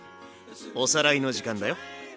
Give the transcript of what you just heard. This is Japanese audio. おさらいの時間だよ。